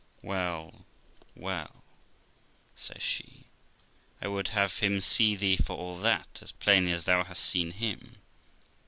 'Well, well', says she, 'I would have him see thee for all that, as plainly as thou hast seen him.'